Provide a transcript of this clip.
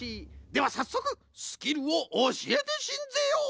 ではさっそくスキルをおしえてしんぜよう！